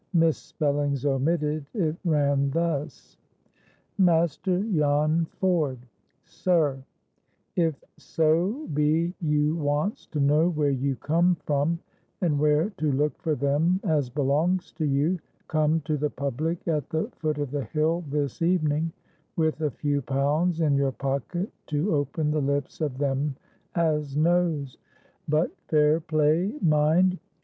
Misspellings omitted, it ran thus:— "MASTER JAN FORD, "Sir,—If so be you wants to know where you come from, and where to look for them as belongs to you, come to the public at the foot of the hill this evening, with a few pounds in your pocket to open the lips of them as knows. But fair play, mind.